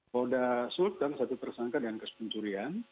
polda sultan satu tersangka dengan kasus pencurian